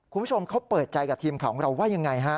คุณผู้ชมเขาเปิดใจกับทีมข่าวของเราว่ายังไงฮะ